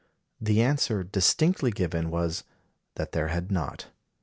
The answer distinctly given was that there had not.